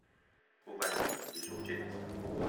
孤帆遠影畢書盡